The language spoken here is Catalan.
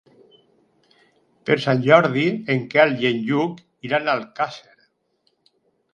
Per Sant Jordi en Quel i en Lluc iran a Alcàsser.